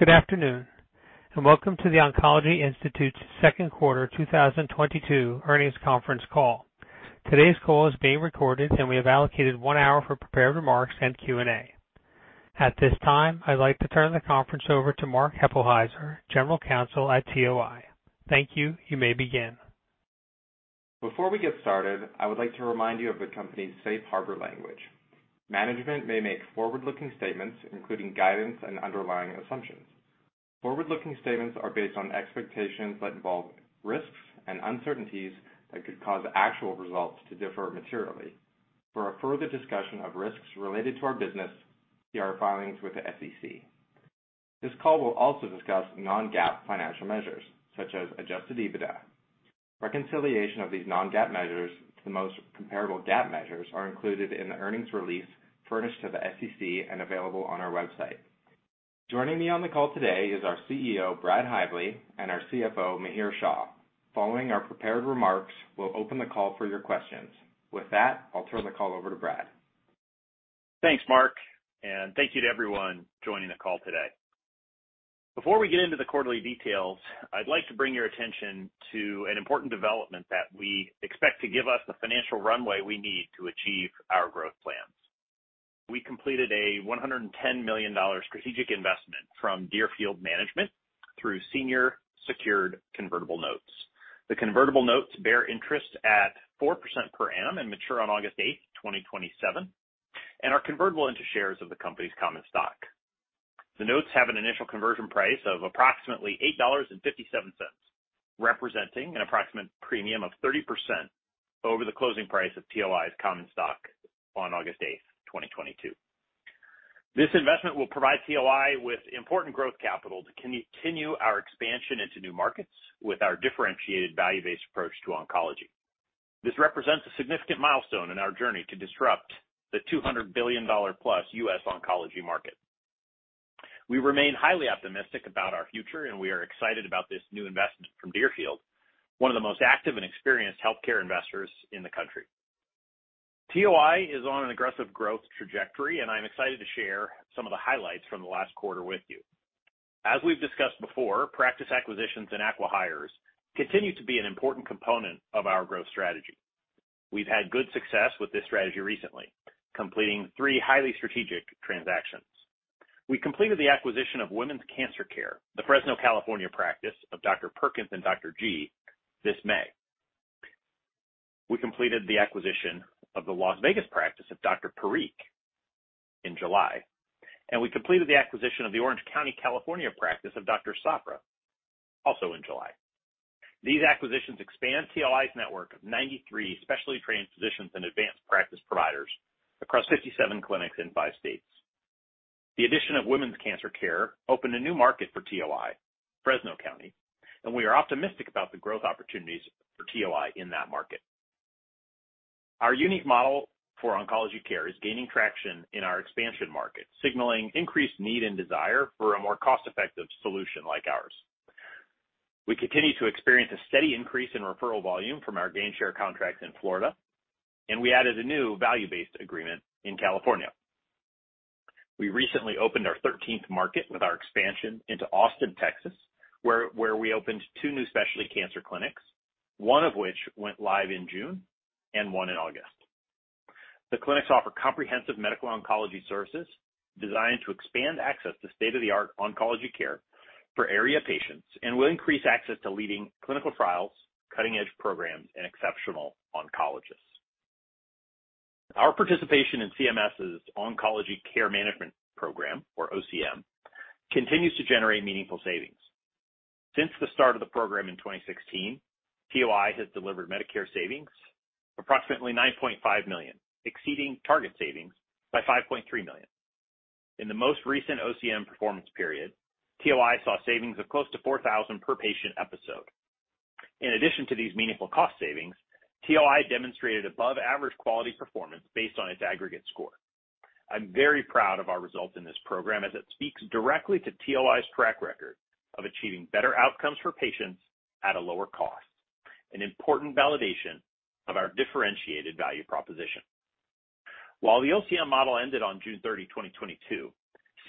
Good afternoon, and welcome to The Oncology Institute's second quarter 2022 earnings conference call. Today's call is being recorded, and we have allocated one hour for prepared remarks and Q&A. At this time, I'd like to turn the conference over to Mark Hueppelsheuser, General Counsel at TOI. Thank you. You may begin. Before we get started, I would like to remind you of the company's safe harbor language. Management may make forward-looking statements, including guidance and underlying assumptions. Forward-looking statements are based on expectations that involve risks and uncertainties that could cause actual results to differ materially. For a further discussion of risks related to our business, see our filings with the SEC. This call will also discuss non-GAAP financial measures, such as Adjusted EBITDA. Reconciliation of these non-GAAP measures to the most comparable GAAP measures are included in the earnings release furnished to the SEC and available on our website. Joining me on the call today is our CEO, Brad Hively, and our CFO, Mihir Shah. Following our prepared remarks, we'll open the call for your questions. With that, I'll turn the call over to Brad. Thanks, Mark, and thank you to everyone joining the call today. Before we get into the quarterly details, I'd like to bring your attention to an important development that we expect to give us the financial runway we need to achieve our growth plans. We completed a $110 million strategic investment from Deerfield Management through senior secured convertible notes. The convertible notes bear interest at 4% per annum and mature on August 8, 2027, and are convertible into shares of the company's common stock. The notes have an initial conversion price of approximately $8.57, representing an approximate premium of 30% over the closing price of TOI's common stock on August 8, 2022. This investment will provide TOI with important growth capital to continue our expansion into new markets with our differentiated value-based approach to oncology. This represents a significant milestone in our journey to disrupt the $200+ billion U.S. oncology market. We remain highly optimistic about our future, and we are excited about this new investment from Deerfield, one of the most active and experienced healthcare investors in the country. TOI is on an aggressive growth trajectory, and I'm excited to share some of the highlights from the last quarter with you. As we've discussed before, practice acquisitions and acqui-hires continue to be an important component of our growth strategy. We've had good success with this strategy recently, completing three highly strategic transactions. We completed the acquisition of Women's Cancer Care, the Fresno, California practice of Dr. Perkins and Dr. Ge, this May. We completed the acquisition of the Las Vegas practice of Dr. Parikh in July, and we completed the acquisition of the Orange County, California practice of Dr. Sapra also in July. These acquisitions expand TOI's network of 93 specially trained physicians and advanced practice providers across 57 clinics in five states. The addition of Women's Cancer Care opened a new market for TOI, Fresno County, and we are optimistic about the growth opportunities for TOI in that market. Our unique model for oncology care is gaining traction in our expansion market, signaling increased need and desire for a more cost-effective solution like ours. We continue to experience a steady increase in referral volume from our gainsharing contracts in Florida, and we added a new value-based agreement in California. We recently opened our thirteenth market with our expansion into Austin, Texas, where we opened two new specialty cancer clinics, one of which went live in June and one in August. The clinics offer comprehensive medical oncology services designed to expand access to state-of-the-art oncology care for area patients and will increase access to leading clinical trials, cutting-edge programs, and exceptional oncologists. Our participation in CMS' Oncology Care Model program, or OCM, continues to generate meaningful savings. Since the start of the program in 2016, TOI has delivered Medicare savings approximately $9.5 million, exceeding target savings by $5.3 million. In the most recent OCM performance period, TOI saw savings of close to $4,000 per patient episode. In addition to these meaningful cost savings, TOI demonstrated above average quality performance based on its aggregate score. I'm very proud of our results in this program as it speaks directly to TOI's track record of achieving better outcomes for patients at a lower cost, an important validation of our differentiated value proposition. While the OCM model ended on June 30, 2022,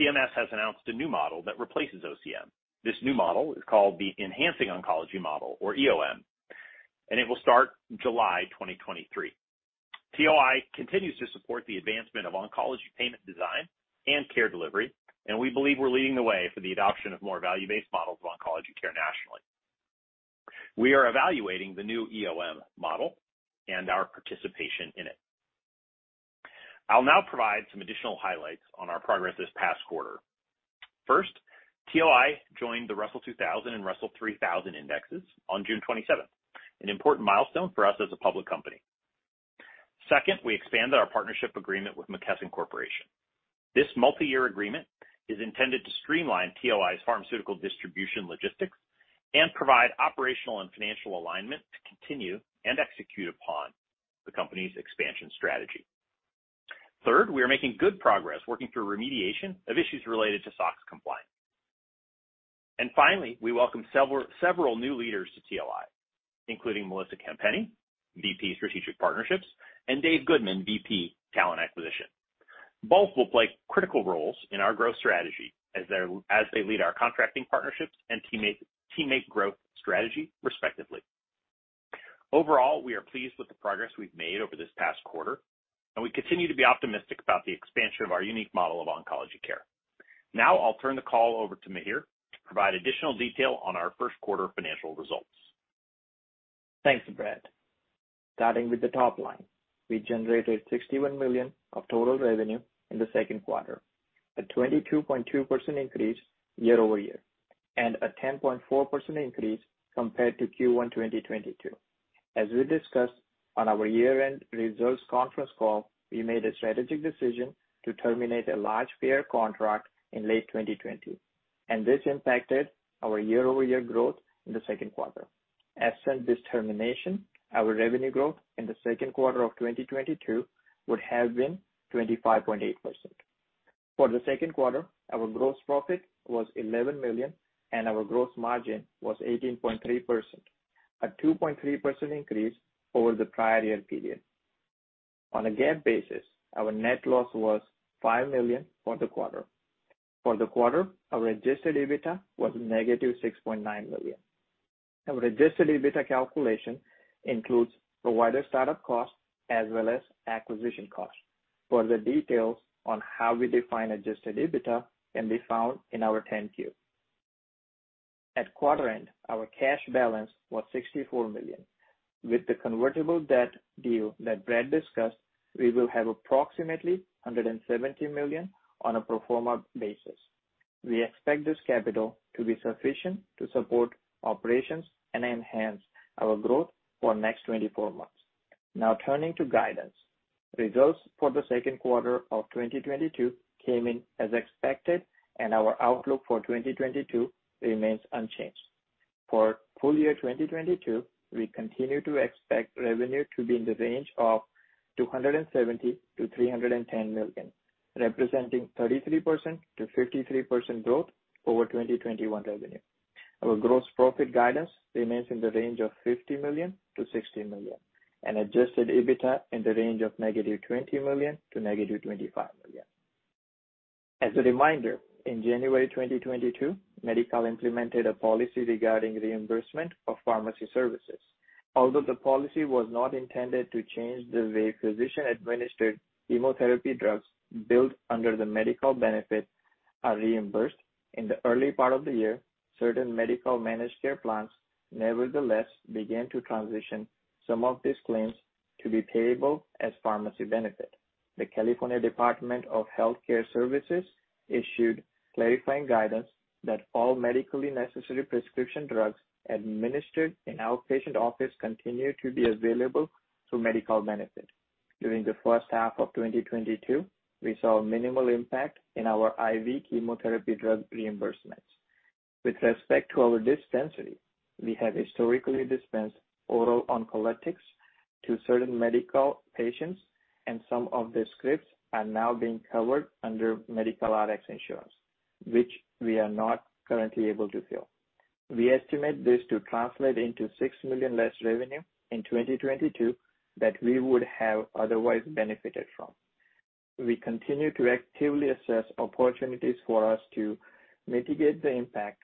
CMS has announced a new model that replaces OCM. This new model is called the Enhancing Oncology Model, or EOM, and it will start July 2023. TOI continues to support the advancement of oncology payment design and care delivery, and we believe we're leading the way for the adoption of more value-based models of oncology care nationally. We are evaluating the new EOM model and our participation in it. I'll now provide some additional highlights on our progress this past quarter. First, TOI joined the Russell 2000 and Russell 3000 indexes on June 27, an important milestone for us as a public company. Second, we expanded our partnership agreement with McKesson Corporation. This multi-year agreement is intended to streamline TOI's pharmaceutical distribution logistics and provide operational and financial alignment to continue and execute upon the company's expansion strategy. Third, we are making good progress working through remediation of issues related to SOX compliance. Finally, we welcome several new leaders to TOI, including Melissa Campenni, VP Strategic Partnerships, and Dave Goodman, VP Talent Acquisition. Both will play critical roles in our growth strategy as they lead our contracting partnerships and teammate growth strategy respectively. Overall, we are pleased with the progress we've made over this past quarter, and we continue to be optimistic about the expansion of our unique model of oncology care. Now I'll turn the call over to Mihir to provide additional detail on our first quarter financial results. Thanks, Brad. Starting with the top line, we generated $61 million of total revenue in the second quarter, a 22.2% increase year-over-year, and a 10.4% increase compared to Q1 2022. As we discussed on our year-end results conference call, we made a strategic decision to terminate a large payer contract in late 2020, and this impacted our year-over-year growth in the second quarter. Absent this termination, our revenue growth in the second quarter of 2022 would have been 25.8%. For the second quarter, our gross profit was $11 million, and our gross margin was 18.3%, a 2.3% increase over the prior year period. On a GAAP basis, our net loss was $5 million for the quarter. For the quarter, our adjusted EBITDA was -$6.9 million. Our adjusted EBITDA calculation includes provider startup costs as well as acquisition costs. Further details on how we define adjusted EBITDA can be found in our 10-Q. At quarter end, our cash balance was $64 million. With the convertible debt deal that Brad discussed, we will have approximately $170 million on a pro forma basis. We expect this capital to be sufficient to support operations and enhance our growth for next 24 months. Now turning to guidance. Results for the second quarter of 2022 came in as expected, and our outlook for 2022 remains unchanged. For full year 2022, we continue to expect revenue to be in the range of $270 million-$310 million, representing 33%-53% growth over 2021 revenue. Our gross profit guidance remains in the range of $50 million-$60 million and Adjusted EBITDA in the range of -$20 million to -$25 million. As a reminder, in January 2022, Medi-Cal implemented a policy regarding reimbursement of pharmacy services. Although the policy was not intended to change the way physician-administered chemotherapy drugs billed under the medical benefit are reimbursed, in the early part of the year, certain medical managed care plans nevertheless began to transition some of these claims to be payable as pharmacy benefit. The California Department of Health Care Services issued clarifying guidance that all medically necessary prescription drugs administered in outpatient office continue to be available through medical benefit. During the first half of 2022, we saw minimal impact in our IV chemotherapy drug reimbursements. With respect to our dispensary, we have historically dispensed oral oncologics to certain Medi-Cal patients, and some of the scripts are now being covered under Medi-Cal Rx insurance, which we are not currently able to fill. We estimate this to translate into $6 million less revenue in 2022 that we would have otherwise benefited from. We continue to actively assess opportunities for us to mitigate the impact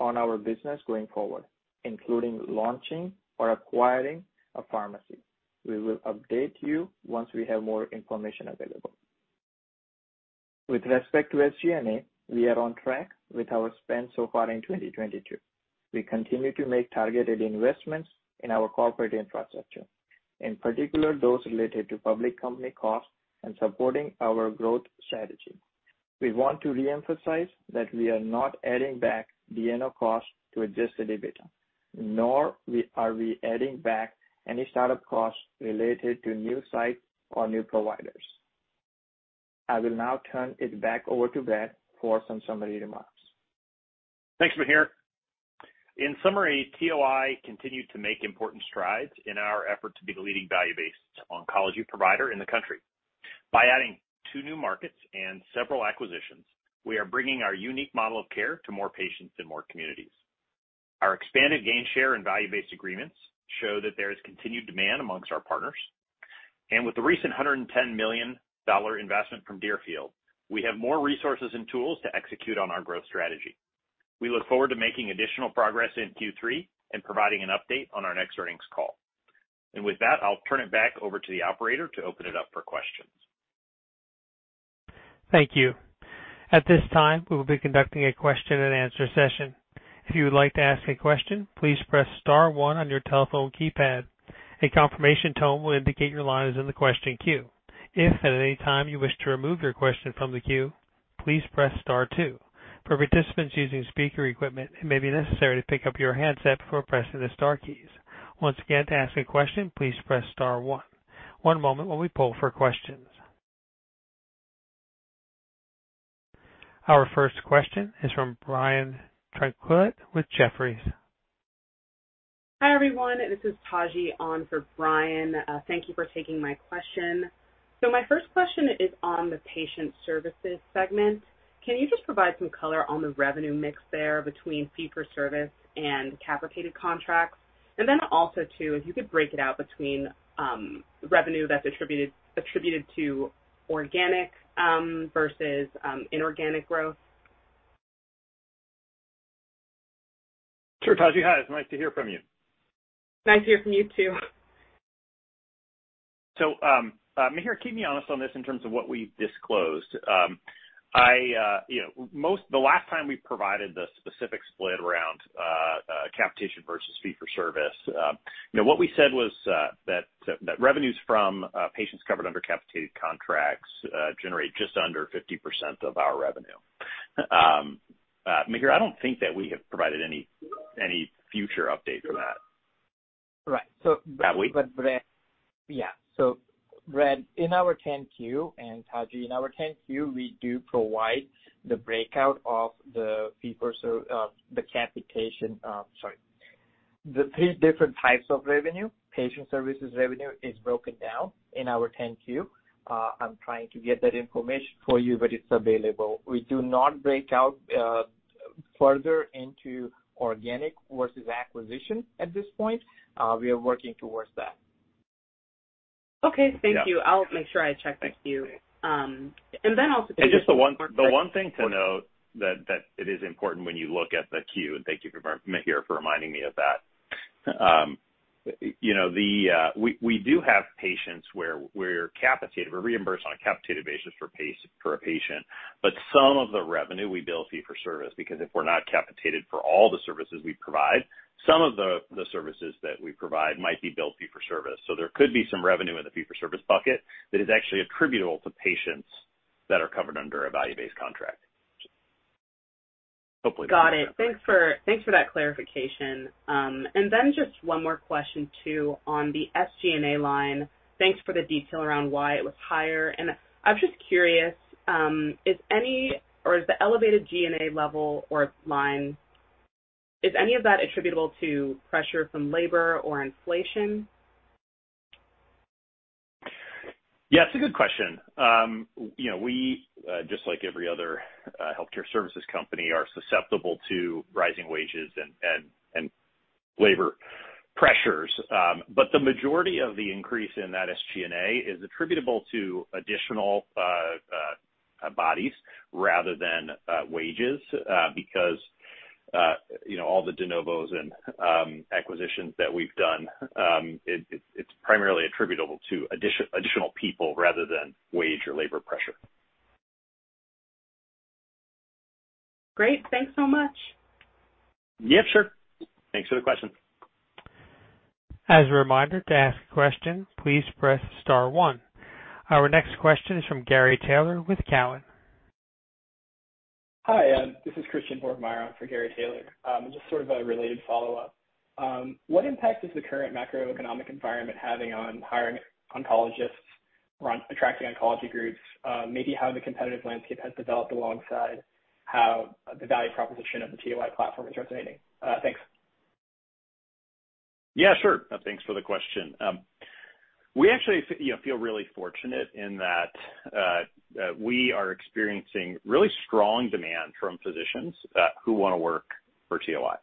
on our business going forward, including launching or acquiring a pharmacy. We will update you once we have more information available. With respect to SG&A, we are on track with our spend so far in 2022. We continue to make targeted investments in our corporate infrastructure, in particular those related to public company costs and supporting our growth strategy. We want to re-emphasize that we are not adding back de novo costs to adjusted EBITDA, nor are we adding back any start-up costs related to new sites or new providers. I will now turn it back over to Brad for some summary remarks. Thanks, Mihir. In summary, TOI continued to make important strides in our effort to be the leading value-based oncology provider in the country. By adding two new markets and several acquisitions, we are bringing our unique model of care to more patients in more communities. Our expanded gainsharing and value-based agreements show that there is continued demand among our partners. With the recent $110 million investment from Deerfield, we have more resources and tools to execute on our growth strategy. We look forward to making additional progress in Q3 and providing an update on our next earnings call. With that, I'll turn it back over to the operator to open it up for questions. Thank you. At this time, we will be conducting a question and answer session. If you would like to ask a question, please press star one on your telephone keypad. A confirmation tone will indicate your line is in the question queue. If at any time you wish to remove your question from the queue, please press star two. For participants using speaker equipment, it may be necessary to pick up your handset before pressing the star keys. Once again, to ask a question, please press star one. One moment while we poll for questions. Our first question is from Brian Tanquilut with Jefferies. Hi, everyone. This is Taji on for Brian. Thank you for taking my question. My first question is on the patient services segment. Can you just provide some color on the revenue mix there between fee-for-service and capitated contracts? And then also too, if you could break it out between revenue that's attributed to organic versus inorganic growth. Sure, Taji. Hi, it's nice to hear from you. Nice to hear from you too. Mihir, keep me honest on this in terms of what we've disclosed. You know, the last time we provided the specific split around capitation versus fee for service, you know, what we said was that revenues from patients covered under capitated contracts generate just under 50% of our revenue. Mihir, I don't think that we have provided any future updates on that. Right. Have we? Brad, in our 10-Q, and Taji, in our 10-Q, we do provide the breakout of the fee-for-service, the capitation. The three different types of revenue. Patient services revenue is broken down in our 10-Q. I'm trying to get that information for you, but it's available. We do not break out further into organic versus acquisition at this point. We are working towards that. Okay. Thank you. Yeah. I'll make sure I check the Q. Just the one thing to note that it is important when you look at the Q, and thank you Mihir for reminding me of that. You know, we do have patients where we're capitated. We're reimbursed on a capitated basis for a patient, but some of the revenue we bill fee-for-service because if we're not capitated for all the services we provide, some of the services that we provide might be billed fee-for-service. There could be some revenue in the fee-for-service bucket that is actually attributable to patients that are covered under a value-based contract. Hopefully Got it. Thanks for that clarification. Just one more question too on the SG&A line. Thanks for the detail around why it was higher. I was just curious, is any of that attributable to pressure from labor or inflation? Yeah, it's a good question. You know, we just like every other healthcare services company are susceptible to rising wages and labor pressures. The majority of the increase in that SG&A is attributable to additional bodies rather than wages because you know all the de novos and acquisitions that we've done. It's primarily attributable to additional people rather than wage or labor pressure. Great. Thanks so much. Yeah, sure. Thanks for the question. As a reminder, to ask a question, please press star one. Our next question is from Gary Taylor with Cowen. Hi, this is Christian Borgmeyer for Gary Taylor. Just sort of a related follow-up. What impact is the current macroeconomic environment having on hiring oncologists or on attracting oncology groups? Maybe how the competitive landscape has developed alongside how the value proposition of the TOI platform is resonating. Thanks. Yeah, sure. Thanks for the question. We actually, you know, feel really fortunate in that we are experiencing really strong demand from physicians who wanna work for TOI.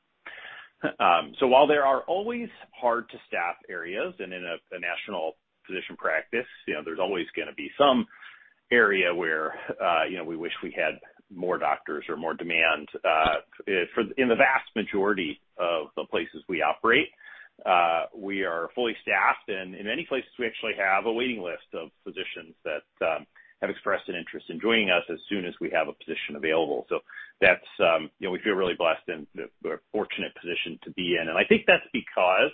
While there are always hard-to-staff areas, and in a national physician practice, you know, there's always gonna be some area where, you know, we wish we had more doctors or more demand. In the vast majority of the places we operate, we are fully staffed, and in many places, we actually have a waiting list of physicians that have expressed an interest in joining us as soon as we have a position available. That's, you know, we feel really blessed and we're a fortunate position to be in. I think that's because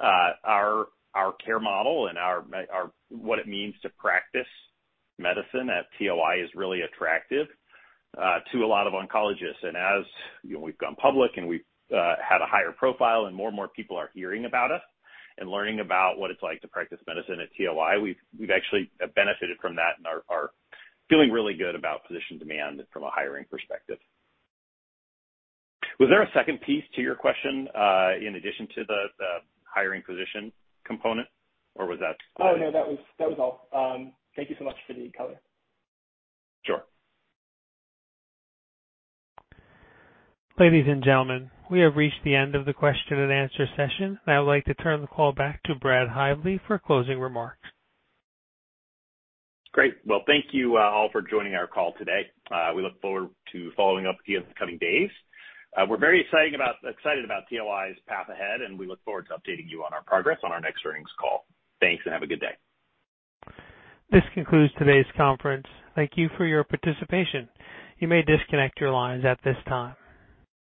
our care model and what it means to practice medicine at TOI is really attractive to a lot of oncologists. As you know, we've gone public and we've had a higher profile and more and more people are hearing about us and learning about what it's like to practice medicine at TOI, we've actually benefited from that and are feeling really good about physician demand from a hiring perspective. Was there a second piece to your question in addition to the hiring physician component, or was that Oh, no, that was all. Thank you so much for the color. Sure. Ladies and gentlemen, we have reached the end of the question and answer session. I would like to turn the call back to Brad Hively for closing remarks. Great. Well, thank you, all for joining our call today. We look forward to following up with you in the coming days. We're very excited about TOI's path ahead, and we look forward to updating you on our progress on our next earnings call. Thanks, and have a good day. This concludes today's conference. Thank you for your participation. You may disconnect your lines at this time.